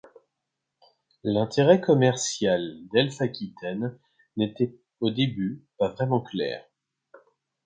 L'intérêt commercial d'Elf-Aquitaine n'était au début pas vraiment clair.